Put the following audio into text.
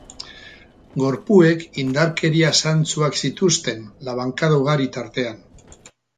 Gorpuek indarkeria-zantzuak zituzten, labankada ugari tartean.